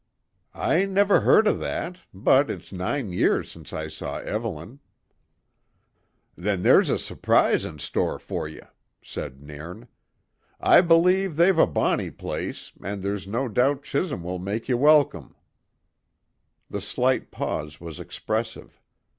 "I never heard of that, but it's nine years since I saw Evelyn." "Then there's a surprise in store for ye," said Nairn. "I believe they've a bonny place, and there's no doubt Chisholm will make ye welcome." The slight pause was expressive.